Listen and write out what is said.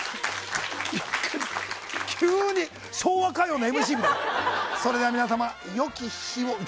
急に昭和歌謡のＭＣみたいにそれでは皆様、良き日を。